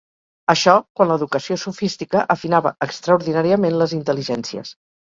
Això, quan l'educació sofística afinava extraordinàriament les intel·ligències